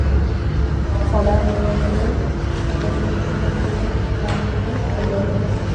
পড়া হইয়া গেলে চারুর ঘরের সম্মুখ দিয়া সে বাহিরে চলিয়া গেল।